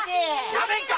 やめんか！